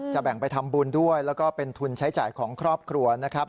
แบ่งไปทำบุญด้วยแล้วก็เป็นทุนใช้จ่ายของครอบครัวนะครับ